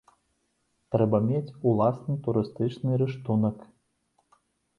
Трэба мець уласны турыстычны рыштунак.